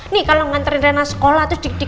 nih kalau nganterin rana sekolah